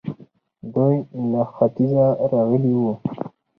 دوی له ختيځه راغلي وو